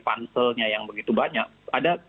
panselnya yang begitu banyak ada